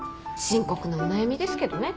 深刻なお悩みですけどね